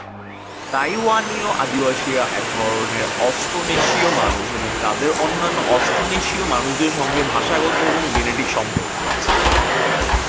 তাইওয়ানীয় আদিবাসীরা এক ধরনের অস্ট্রোনেশীয় মানুষ, এবং তাদের অন্যান্য অস্ট্রোনেশীয় মানুষদের সঙ্গে ভাষাগত এবং জেনেটিক সম্পর্ক আছে।